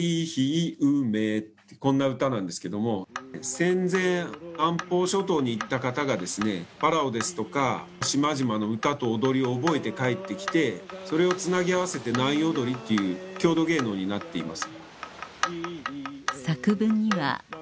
戦前南方諸島に行った方がですねパラオですとか島々の歌と踊りを覚えて帰って来てそれをつなぎ合わせて南洋踊りっていう郷土芸能になっています。